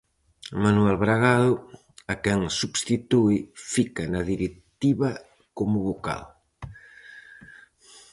Manuel Bragado, a quen substitúe, fica na directiva como vocal.